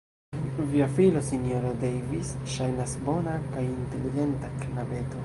Via filo, Sinjoro Davis, ŝajnas bona kaj inteligenta knabeto.